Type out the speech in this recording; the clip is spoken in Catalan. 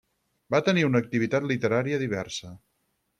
Va tenir una activitat literària diversa.